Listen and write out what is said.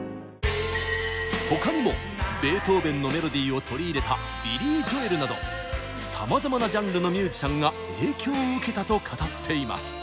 他にもベートーベンのメロディーを取り入れたビリー・ジョエルなどさまざまなジャンルのミュージシャンが影響を受けたと語っています。